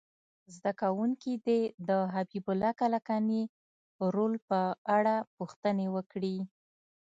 زده کوونکي دې د حبیب الله کلکاني رول په اړه پوښتنې وکړي.